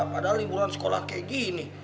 padahal liburan sekolah kayak gini